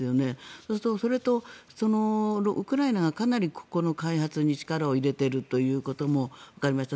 そうすると、それとウクライナがかなりここの開発に力を入れているということもわかりました。